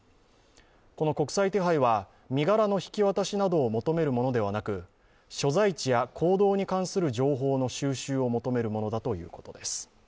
この国際手配は身柄の引き渡しなどを求めるものではなく所在地や行動に関する情報の収集を求めるものだということです。